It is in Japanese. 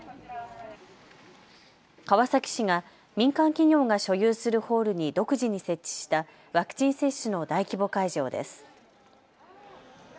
川崎市が民間企業が所有するホールに独自に設置したワクチン接種の大規模会場です。